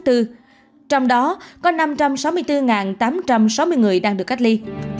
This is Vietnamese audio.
trong đó có năm trăm sáu mươi bốn tám trăm sáu mươi người đang được cách ly